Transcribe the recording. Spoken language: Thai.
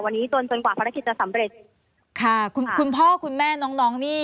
วันนี้จนจนกว่าภารกิจจะสำเร็จค่ะคุณคุณพ่อคุณแม่น้องน้องนี่